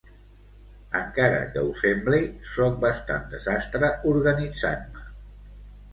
Encara que ho sembli, soc bastant desastre organitzant-me.